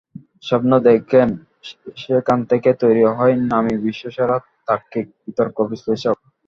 স্বপ্ন দেখেন, সেখান থেকে তৈরি হবে নামী বিশ্বসেরা তার্কিক, বিতর্ক বিশ্লেষক।